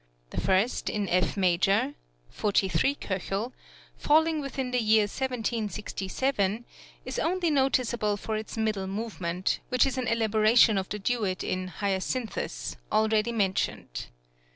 The first, in F major (43 K.), falling within the year 1767, is only noticeable for its middle movement, which is an elaboration of the duet in "Hyacinthus," already mentioned (p.